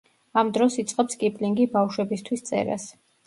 ამ დროს იწყებს კიპლინგი ბავშვებისთვის წერას.